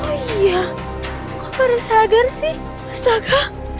oh iya kok harus agar sih astaga